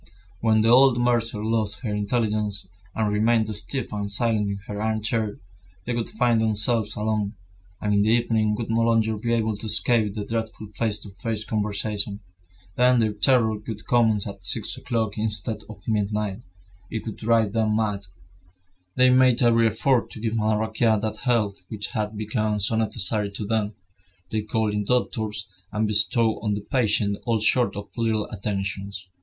When the old mercer lost her intelligence, and remained stiff and silent in her armchair, they would find themselves alone, and in the evening would no longer be able to escape the dreadful face to face conversation. Then their terror would commence at six o'clock instead of midnight. It would drive them mad. They made every effort to give Madame Raquin that health which had become so necessary to them. They called in doctors, and bestowed on the patient all sorts of little attentions.